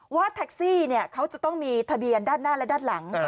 ว่าแท็กซี่เขาจะต้องมีทะเบียนด้านหน้าและด้านหลัง